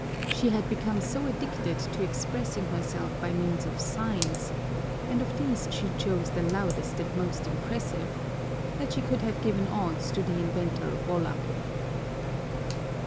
She had become so addicted to expressing herself by means of signs and of these she chose the loudest and most impressive that she could have given odds to the inventor of Volapuk.